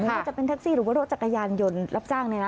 ตรงนั้นถ้าจะเป็นทักซี่หรือว่ารถจักรยานยนต์รับจ้างนี่นะ